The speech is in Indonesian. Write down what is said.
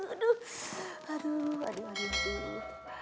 aduh aduh aduh aduh